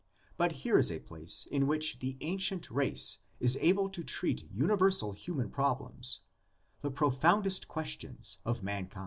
But here is a place in which the ancient race is able to treat universal human problems, the profoundest questions of mankind.